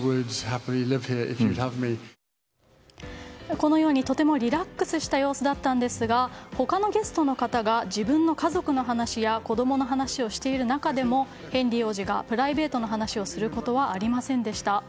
このようにとてもリラックスした様子だったんですが他のゲストの方が自分の家族の話や子供の話をしている中でもヘンリー王子がプライベートの話をすることはありませんでした。